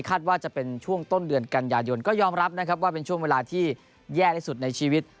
ว่าจะเป็นช่วงต้นเดือนกันยายนก็ยอมรับนะครับว่าเป็นช่วงเวลาที่แย่ที่สุดในชีวิต